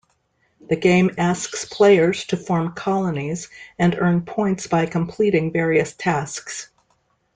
The game asks players to form colonies and earn points by completing various tasks.